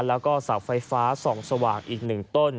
และสระไฟฟ้า๒สว่างอีกหนึ่งต้น